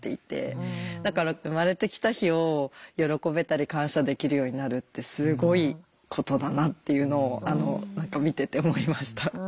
だから生まれてきた日を喜べたり感謝できるようになるってすごいことだなっていうのを何か見てて思いました。